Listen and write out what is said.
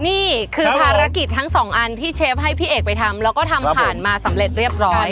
นี่คือภารกิจทั้งสองอันที่เชฟให้พี่เอกไปทำแล้วก็ทำผ่านมาสำเร็จเรียบร้อย